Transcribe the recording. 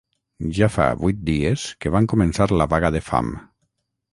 Ja fa vuit dies que van començar la vaga de fam